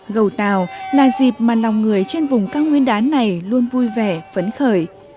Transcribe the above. gầu tàu là dịp mà lòng người trên vùng cao nguyên đá này luôn vui vẻ phấn khởi